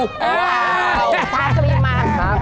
ฟ้าสรีมาก